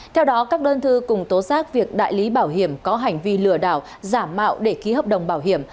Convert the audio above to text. theo đó các đơn thư cùng tố xác việc đại lý bảo hiểm có hành vi lừa đảo giả mạo để ký hợp đồng bảo hiểm